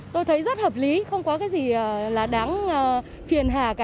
tôi thấy rất hợp lý không có cái gì là đáng phiền hà cả